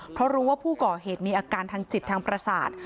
เพราะรู้ว่าผู้ก่อเหตุมีอาการทางจิตทางประสาท